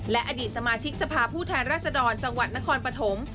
และอดีตสมาชิกสภาพผู้แทนรัศดรจังหวัดนครปฐม